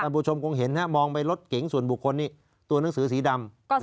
ผู้ชมคงเห็นมองไปรถเก๋งส่วนบุคคลนี้ตัวหนังสือสีดำ